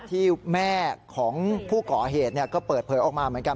ที่แม่ของผู้ก่อเหตุก็เปิดเผยออกมาเหมือนกัน